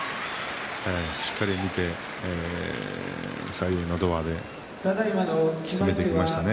しっかり見て最後、のど輪できめていきましたね。